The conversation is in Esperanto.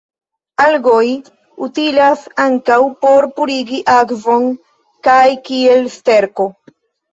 Algoj utilas ankaŭ por purigi akvon kaj kiel sterko.